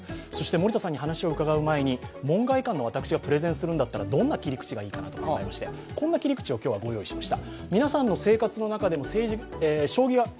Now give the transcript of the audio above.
森田さんに話を伺う前に門外漢の私がプレゼンするのならどんな切り口がいいかなと考えまして、こんな切り口を今日はご用意しました。